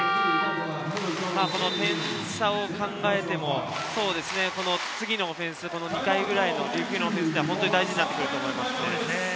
その点差を考えても、次のオフェンス、２回くらいの琉球のオフェンスが大事になってくると思います。